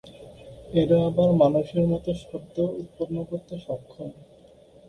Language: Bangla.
এরা আবার মানুষের মত শব্দ উৎপন্ন করতে সক্ষম।